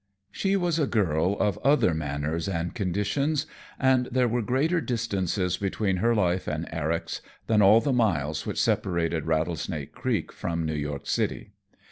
She was a girl of other manners and conditions, and there were greater distances between her life and Eric's than all the miles which separated Rattlesnake Creek from New York city.